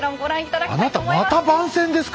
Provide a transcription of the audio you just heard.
あなたまた番宣ですか！